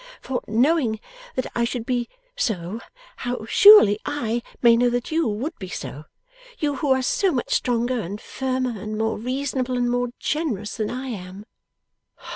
For, knowing that I should be so, how surely I may know that you would be so; you who are so much stronger, and firmer, and more reasonable and more generous, than I am.